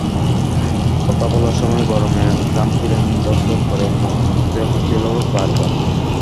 কথা বলার সময় গরমে ঘামছিলেন দরদর করে, মুখ মুছতে হচ্ছিল বারবার।